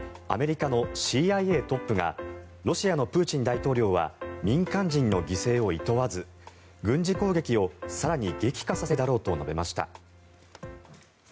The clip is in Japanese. アメリカのＣＩＡトップがロシアのプーチン大統領は民間人の犠牲をいとわず軍事攻撃を更に激化させるだろうと述べました。